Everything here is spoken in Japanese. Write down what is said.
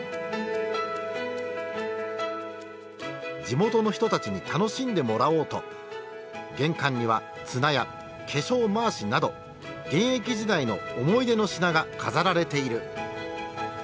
地元の人たちに楽しんでもらおうと玄関には綱や化粧まわしなど現役時代の思い出の品が飾られている。